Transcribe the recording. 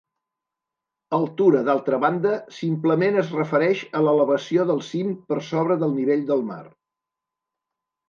"altura", d'altra banda, simplement es refereix a l'elevació del cim per sobre del nivell del mar.